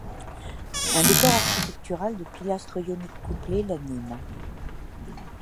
Un décor architectural de pilastres ioniques couplés l'anime.